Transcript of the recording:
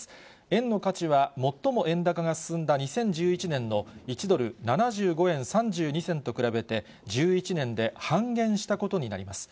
円の価値は最も円高が進んだ２０１１年の１ドル７５円３２銭と比べて、１１年で半減したことになります。